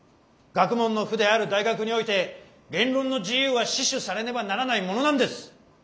学問の府である大学において言論の自由は死守されねばならないものなんです！